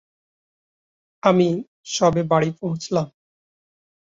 আমি সবে বাড়ি পৌছালাম।